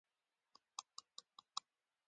خو په ګواتیلا کې وضعیت یو څه متفاوت و.